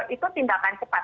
itu tindakan cepat